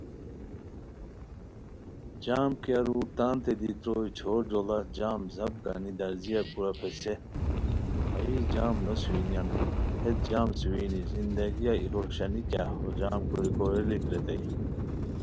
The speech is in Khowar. جم کی ارو تنتین دی تروئے چھور جوڑا جم زب گنی درزیہ کورا پیڅھے، ہائی جم نو سوئینیان ہیت جم سوئینی، زندگیہ ای خوشانی کیہ ،ہو جم کوری کوریلیک ریتائے